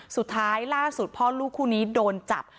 สุดท้ายล่าสุดพ่อลูกคู่นี้โดนจับ